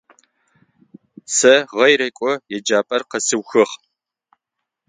Сэ гъэрекӏо еджапӏэр къэсыухыгъ.